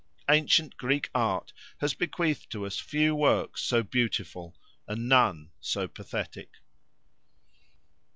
Ancient Greek art has bequeathed to us few works so beautiful, and none so pathetic.